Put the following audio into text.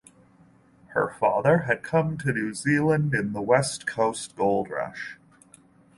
Her father had come to New Zealand in the West Coast Gold Rush.